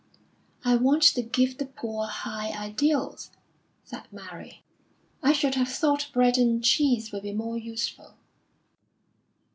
"I want to give the poor high ideals," said Mary. "I should have thought bread and cheese would be more useful."